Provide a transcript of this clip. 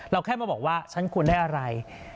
แค่มาบอกว่าฉันควรได้อะไร